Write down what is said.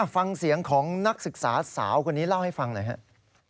ฟังเสียงของนักศึกษาสาวคนนี้เล่าให้ฟังหน่อยครับ